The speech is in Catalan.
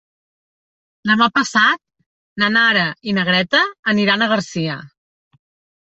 Demà passat na Nara i na Greta aniran a Garcia.